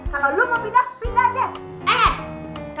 kalau lu mau pindah pindah aja